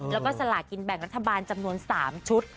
แล้วก็สลากินแบ่งรัฐบาลจำนวน๓ชุด